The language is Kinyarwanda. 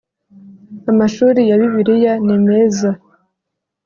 amashuri ya Bibiliya nimeza